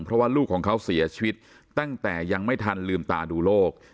เพราะว่าลูกของเขาเสียชีวิตตั้งแต่ยังไม่ทันลืมตาดูโลก